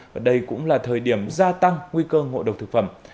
và đây cũng là thời điểm gia tăng nguy cơ ngộ độc thực phẩm